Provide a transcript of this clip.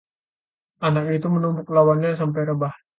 anak itu menumbuk lawannya sampai rebah